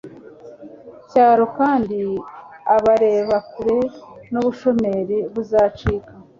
cyaro. kandi abareba kure n'ubushomeri buzacika